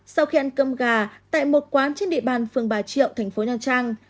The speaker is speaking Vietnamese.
sau khi ăn cơm gà tại một quán trên địa bàn phường bà triệu thành phố nha trang